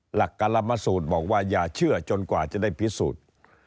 หลักการสูตรบอกว่าอย่าเชื่อจนกว่าจะได้พิสูจน์